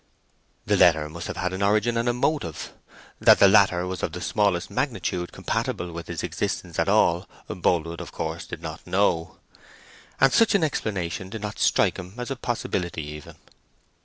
The letter must have had an origin and a motive. That the latter was of the smallest magnitude compatible with its existence at all, Boldwood, of course, did not know. And such an explanation did not strike him as a possibility even.